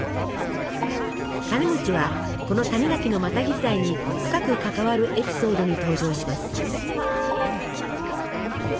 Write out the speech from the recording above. カネはこの谷垣のマタギ時代に深く関わるエピソードに登場します。